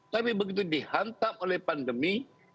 tapi begitu dihantam oleh pandemi